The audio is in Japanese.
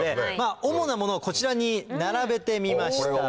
主なものをこちらに並べてみました。